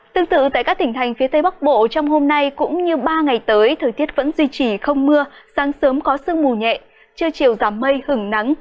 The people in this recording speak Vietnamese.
tương tự tại các tỉnh thành phía tây bắc bộ trong hôm nay cũng như ba ngày tới thời tiết vẫn duy trì không mưa sáng sớm có sương mù nhẹ trưa chiều giảm mây hứng nắng